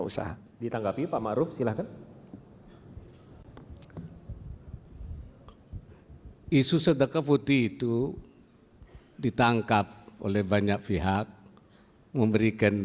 usaha ditanggapi pak maruf silakan isu sedekah putih itu ditangkap oleh banyak pihak memberikan